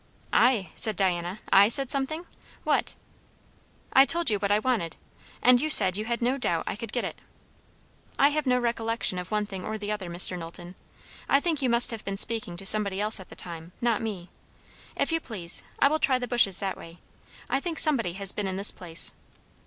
"I?" said Diana. "I said something? What?" "I told you what I wanted, and you said you had no doubt I could get it." "I have no recollection of one thing or the other, Mr. Knowlton. I think you must have been speaking to somebody else at the time not me. If you please, I will try the bushes that way; I think somebody has been in this place."